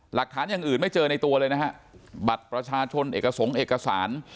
หลักฐานอย่างอื่นไม่เจอในตัวเลยนะฮะบัตรประชาชนเอกสงค์เอกสาร